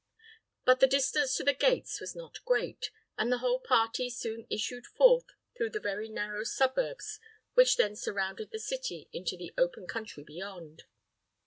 But the distance to the gates was not great, and the whole party soon issued forth through the very narrow suburbs which then surrounded the city, into the open country beyond.